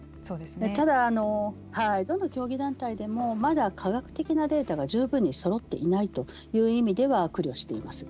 ただ、どの競技団体でもまだ科学的なデータが十分にそろっていないという意味では苦慮しています。